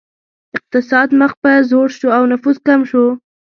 اقتصاد مخ په ځوړ شو او نفوس کم شو.